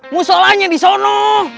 mau sholatnya di sana